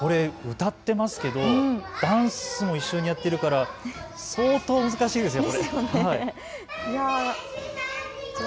歌ってますけどダンスも一緒にやっているから相当難しいですよね。